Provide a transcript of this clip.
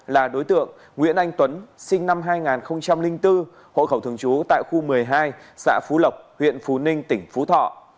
là đối tượng nguyễn anh tuấn sinh năm hai nghìn bốn hộ khẩu thường trú tại khu một mươi hai xã phú lộc huyện phú ninh tỉnh phú thọ